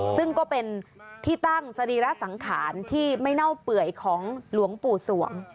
ซึ่งก็เป็นที่ตั้งสรีระสังขารที่ไม่เน่าเปื่อยของหลวงปู่สวง